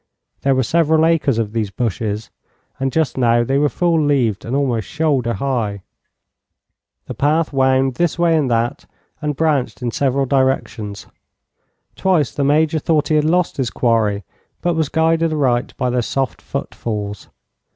There were several acres of these bushes, and just now they were full leaved and almost shoulder high. The path wound this way and that, and branched in several directions. Twice the Major thought he had lost his quarry, but was guided aright by their soft footfalls.